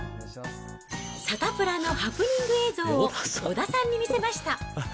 サタプラのハプニング映像を小田さんに見せました。